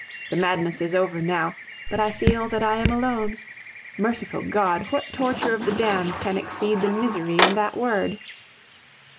The madness is over now, but I feel that I am alone. Merciful God! what torture of the damned can exceed the misery in that word?